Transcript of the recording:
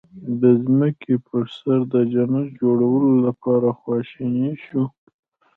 د ځمکې په سر د جنت جوړولو لپاره خواشني شو.